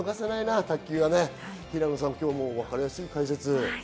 平野さん、今日もわかりやすい解説。